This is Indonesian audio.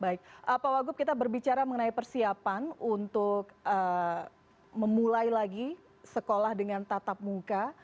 baik pak wagub kita berbicara mengenai persiapan untuk memulai lagi sekolah dengan tatap muka